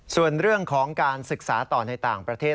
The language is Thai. ส่วนเรื่องของการศึกษาต่อในต่างประเทศ